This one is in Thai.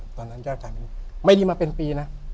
ตอนนั้นยอดขายไม่ดีไม่ดีมาเป็นปีนะ